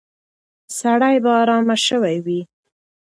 سړی به ارام شوی وي.